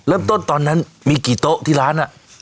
เริ่มต้นตอนนั้นมีกี่โต๊ะที่ร้านน่ะ